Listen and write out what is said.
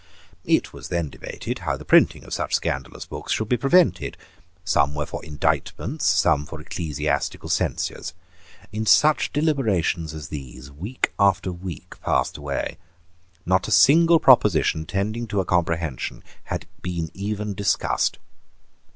It was then debated how the printing of such scandalous books should be prevented. Some were for indictments, some for ecclesiastical censures, In such deliberations as these week after week passed away. Not a single proposition tending to a Comprehension had been even discussed.